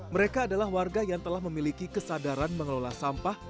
mereka adalah warga yang telah memiliki kesadaran mengelola sampah